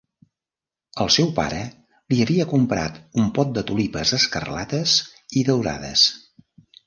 El seu pare li havia comprat un pot de tulipes escarlates i daurades.